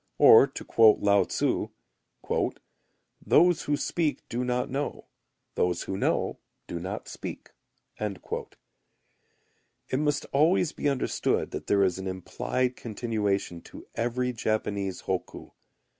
Or to quote Lao tzu: "Those who speak do not know, those who know do not speak." It must always be understood that there is an implied continuation to every Japanese hokku.